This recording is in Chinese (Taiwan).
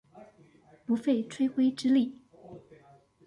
不費吹灰之力